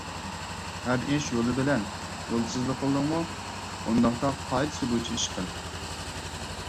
ھەر ئىش يولى بىلەن. يولسىزلىق قىلدىڭمۇ، ئۇنداقتا قائىدىسى بويىچە ئىش قىل.